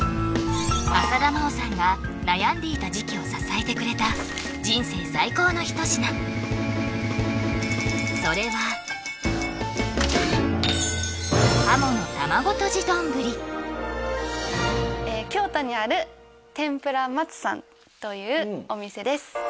浅田真央さんが悩んでいた時期を支えてくれた人生最高の一品それは京都にある天ぷら松さんというお店です